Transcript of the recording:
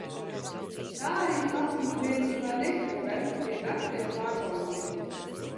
Tā arī papiņš bērnībā netika vests pie daktera pārbaudīties.